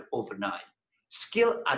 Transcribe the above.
sekarang kita harus belajar